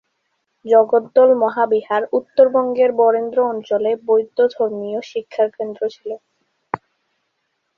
জগদ্দল মহাবিহার উত্তরবঙ্গের বরেন্দ্র অঞ্চলে বৌদ্ধ ধর্মীয় শিক্ষার কেন্দ্র ছিল।